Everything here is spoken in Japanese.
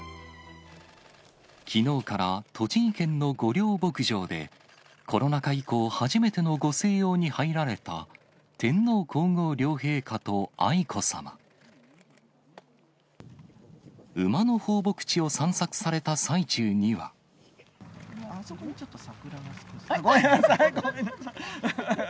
きのうから栃木県の御料牧場で、コロナ禍以降、初めてのご静養に入られた天皇皇后両陛下と愛子さま。ごめんなさい、ごめんなさい。